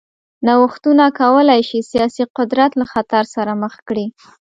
نوښتونه کولای شي سیاسي قدرت له خطر سره مخ کړي.